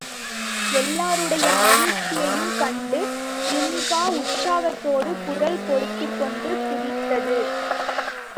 எல்லோருடைய மகிழ்ச்சியையும் கண்டு ஜின்கா உற்சாகத்தோடு குரல் கொடுத்துக்கொண்டு குதித்தது.